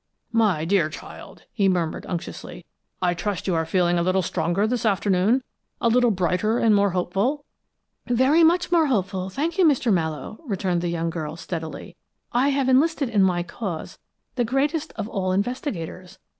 "My dear child!" he murmured, unctuously. "I trust you are feeling a little stronger this afternoon a little brighter and more hopeful?" "Very much more hopeful, thank you, Mr. Mallowe," returned the young girl, steadily. "I have enlisted in my cause the greatest of all investigators.